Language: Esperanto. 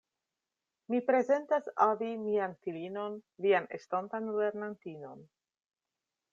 Mi prezentas al vi mian filinon, vian estontan lernantinon.